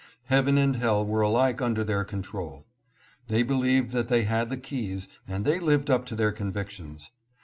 Heaven and hell were alike under their control. They believed that they had the keys, and they lived up to their convictions.